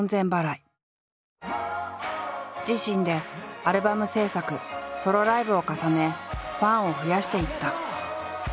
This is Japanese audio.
自身でアルバム制作ソロライブを重ねファンを増やしていった。